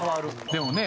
でもね